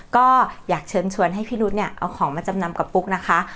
ก็อยากเชิญชวนให้พี่นุษย์เนี่ยเอาของมาจำนำกับปุ๊กนะคะ